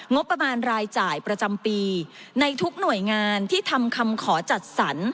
งบประมาณรายจ่ายประจำปีในทุกหน่วยงานที่ทำคำขอจัดสรร